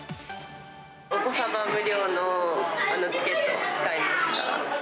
お子様無料のチケットを使いました。